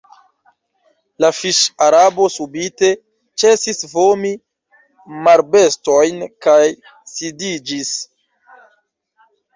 La fiŝ-Arabo subite ĉesis vomi marbestojn kaj sidiĝis.